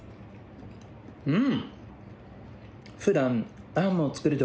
うん！